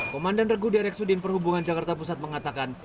komandan regu direk sudin perhubungan jakarta pusat mengatakan